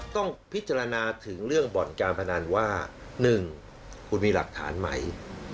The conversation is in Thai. ต้องพิจารณาถึงเรื่องบ่อนการพนันว่า๑คุณมีหลักฐานไหม